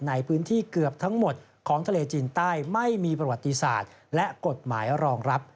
ในพื้นที่เกือบทั้งหมดของทะเลจีนใต้ไม่มีประวัติศาสตร์และกฎหมายรองรับ